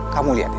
kamu lihat itu